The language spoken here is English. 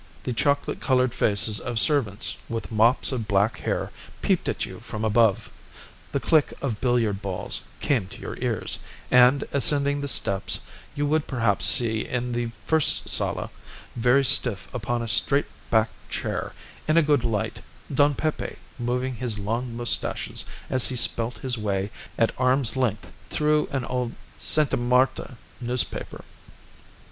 The chocolate coloured faces of servants with mops of black hair peeped at you from above; the click of billiard balls came to your ears, and ascending the steps, you would perhaps see in the first sala, very stiff upon a straight backed chair, in a good light, Don Pepe moving his long moustaches as he spelt his way, at arm's length, through an old Sta. Marta newspaper.